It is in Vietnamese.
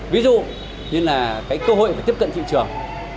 ví dụ như là cái cơ hội tiếp cận thị trường